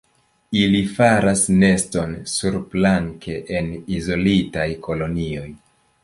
Ili faras neston surplanke en izolitaj kolonioj.